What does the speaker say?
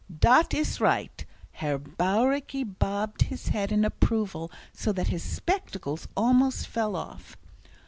"Dat is right." Herr Bauricke bobbed his head in approval, so that his spectacles almost fell off.